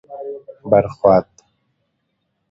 بر خوات: